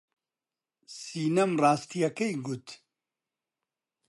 سینەم ڕاستییەکەی گوت.